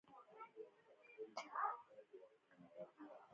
د اغېزې خاوند دلالان د قیمت لوړوالي لپاره له تاکتیکونو کار اخلي.